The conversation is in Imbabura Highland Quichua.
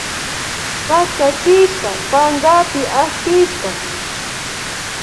Pactachishka pankapi aspishka